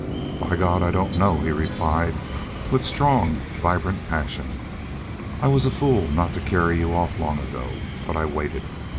"By God! I don't know," he replied, with strong, vibrant passion. "I was a fool not to carry y'u off long ago. But I waited.